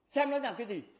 xem nó làm cái gì